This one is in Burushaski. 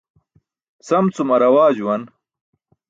Sam cum arawaa juwan.